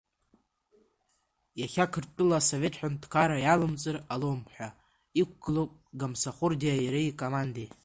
Иахьа Қырҭтәыла Асовет ҳәынҭқарра иалымҵыр ҟалом ҳәа, иқәгылоуп Гамсахәрдиа иареи икомандеи.